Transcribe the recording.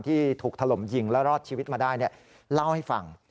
ที่ถูกถล่มยิงและรอดชีวิตมาได้เล่าให้ฟัง